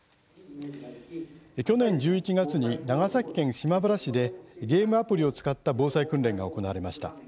去年１１月に、長崎県島原市でゲームアプリを使った防災訓練が行われました。